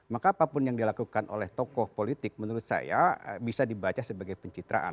maka apapun yang dilakukan oleh tokoh politik menurut saya bisa dibaca sebagai pencitraan